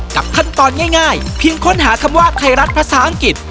ขั้นตอนง่ายเพียงค้นหาคำว่าไทยรัฐภาษาอังกฤษ